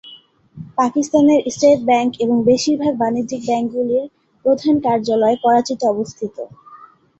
পাকিস্তানের state bank এবং বেশিরভাগ বাণিজ্যিক ব্যাংকগুলির প্রধান কার্যালয় করাচিতে অবস্থিত।